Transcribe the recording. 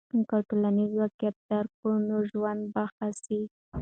که ټولنیز واقعیت درک کړو نو ژوند به ښه سي.